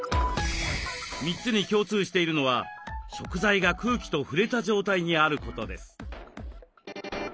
３つに共通しているのは食材が空気と触れた状態にあることです。